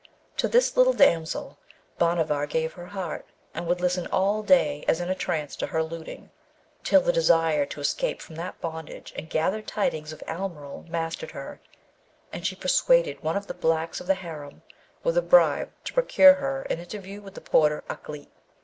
To this little damsel Bhanavar gave her heart, and would listen all day, as in a trance, to her luting, till the desire to escape from that bondage and gather tidings of Almeryl mastered her, and she persuaded one of the blacks of the harem with a bribe to procure her an interview with the porter Ukleet.